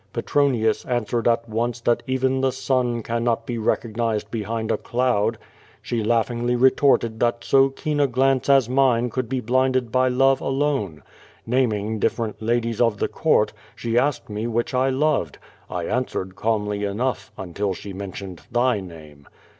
I'rtnmius answered at once that even tlie sun crinnot be recognizinl 1m» hind a cloud. She laughingly retorted that so keen a glance 2S2 QU<^ VADIS, as mine could be blinded by love alone. Naming different ladies of the court, slie asked me which I loved. 1 answered calmly enough, until she mentioned thy name.